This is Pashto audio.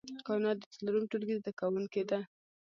کاينات د څلورم ټولګي زده کوونکې ده